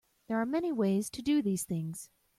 There are many ways to do these things.